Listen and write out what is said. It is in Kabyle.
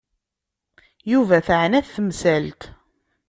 Yuba teɛna-t temsalt.